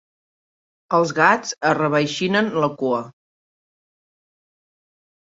Els gats arreveixinen la cua.